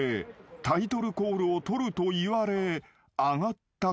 ［タイトルコールを撮るといわれ上がったこの台］